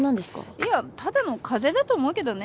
いやただの風邪だと思うけどね。